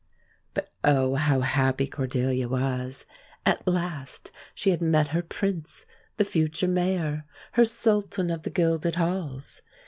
But, oh, how happy Cordelia was! At last she had met her prince the future Mayor her Sultan of the gilded halls.